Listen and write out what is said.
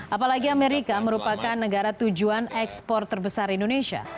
apalagi amerika merupakan negara tujuan ekspor terbesar indonesia